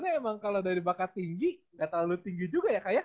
emang kalau dari bakat tinggi nggak terlalu tinggi juga ya kak ya